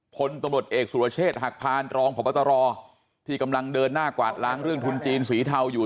พลตำรวจเอกสุรเชษฐ์หักพานรองพบตรที่กำลังเดินหน้ากวาดล้างเรื่องทุนจีนสีเทาอยู่